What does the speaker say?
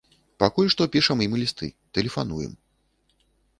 Пакуль што пішам ім лісты, тэлефануем.